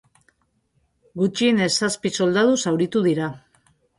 Gutxienez zazpi soldatu zauritu dira.